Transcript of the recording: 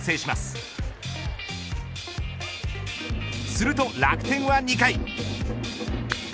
すると楽天は２回。